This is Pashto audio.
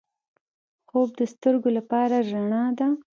خوب د سترګو لپاره رڼا ده